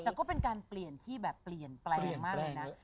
แต่ก็เป็นการเปลี่ยนที่แบบเปลี่ยนแปลงมากเลยนะ